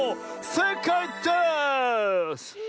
せいかいです！